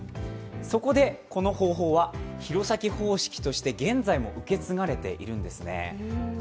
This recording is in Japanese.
それで、この方法は弘前方式として現在も受け継がれているんですね。